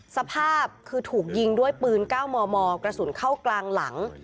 สภาพคือถูกยิงด้วยปืน๙มมกระสุนเข้ากลางหลัง